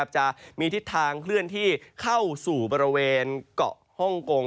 จะมีทิศทางเคลื่อนที่เข้าสู่บริเวณเกาะฮ่องกง